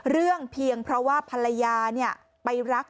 เรื่องเพียงเพราะว่าภรรยาไปรัก